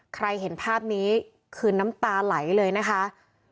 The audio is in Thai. เห็นภาพนี้คือน้ำตาไหลเลยนะคะ